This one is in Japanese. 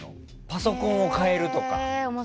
パソコンを変えるとか。